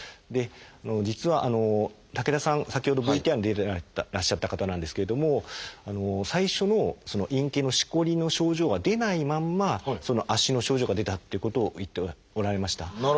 実は武田さん先ほどＶＴＲに出てらっしゃった方なんですけれども最初の陰茎のしこりの症状は出ないまんま足の症状が出たっていうことを言っておられました。